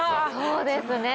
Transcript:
そうですね！